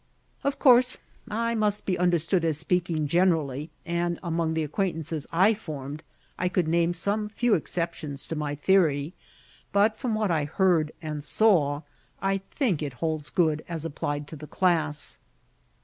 Of course I must be understood as speaking generally, and among the acquaintances I formed, I could name some few exceptions to my theory, but from what I heard and saw, I think it holds good as applied to the class.